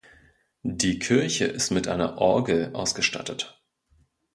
Die Kirche ist mit einer Orgel ausgestattet.